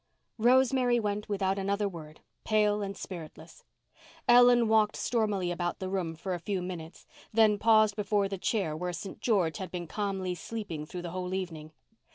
Rosemary went without another word, pale and spiritless. Ellen walked stormily about the room for a few minutes, then paused before the chair where St. George had been calmly sleeping through the whole evening.